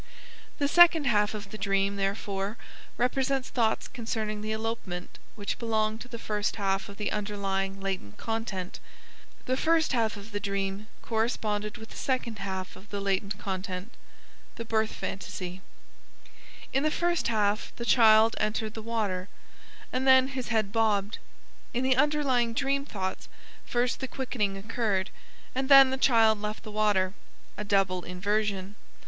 The second half of the dream, therefore, represents thoughts concerning the elopement, which belonged to the first half of the underlying latent content; the first half of the dream corresponded with the second half of the latent content, the birth phantasy. Besides this inversion in order, further inversions took place in each half of the dream. In the first half the child entered the water, and then his head bobbed; in the underlying dream thoughts first the quickening occurred, and then the child left the water (a double inversion).